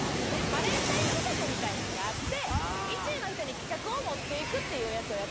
バレンタイン企画みたいなんがあって意中の人に企画を持っていくっていうやつをやったんですよ。